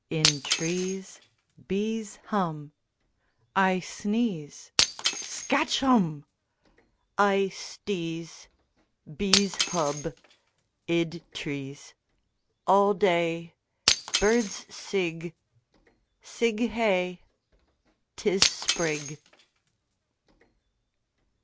In trees Bees hum I sneeze Skatch Humb!! I sdeeze. Bees hub. Id trees All day Birds sig. Sig Hey! 'Tis Sprig!